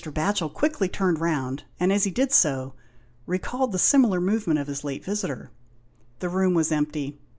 Batchel quickly turned round, and as he did so, recalled the similar movement of his late visitor. The room was empty.